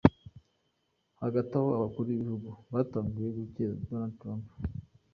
Hagataho abakuru b'ibihugu batanguye gukeza Donald Trump.